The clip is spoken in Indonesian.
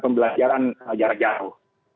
pembelajaran jarak jauh